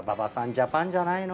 ジャパンじゃないの？